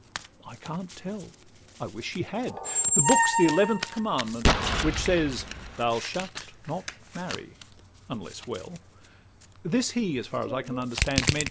I can't tell; I wish she had: his book 's the eleventh commandment, Which says, 'Thou shalt not marry,' unless well: This he (as far as I can understand) meant.